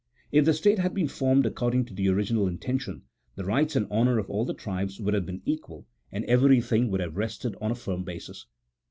If the state had been formed according to the original intention, the rights and honour of all the tribes would have been equal, and everything would have rested on a firm basis.